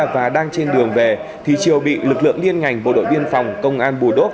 và đang trên đường về thì triều bị lực lượng liên ngành bộ đội biên phòng công an bù đốt